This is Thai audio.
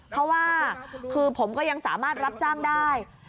เพราะว่าคือผมก็ยังสามารถรับจ้างได้